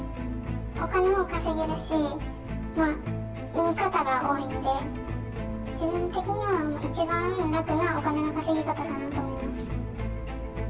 お金も稼げるし、いい方が多いんで、自分的には一番楽なお金の稼ぎ方かなと思います。